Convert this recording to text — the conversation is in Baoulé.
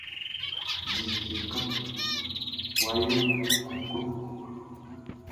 Di like kan ya koklo.